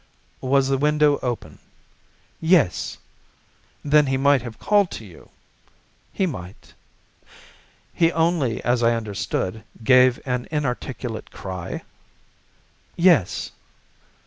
"Was the window open?" "Yes." "Then he might have called to you?" "He might." "He only, as I understand, gave an inarticulate cry?" "Yes."